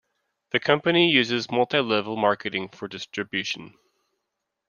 The company uses multi-level marketing for distribution.